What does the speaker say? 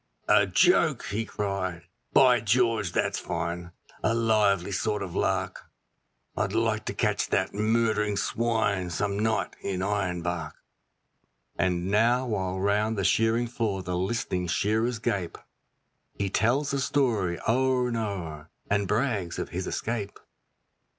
'A joke!' he cried, 'By George, that's fine; a lively sort of lark; I'd like to catch that murdering swine some night in Ironbark.' And now while round the shearing floor the list'ning shearers gape, He tells the story o'er and o'er, and brags of his escape.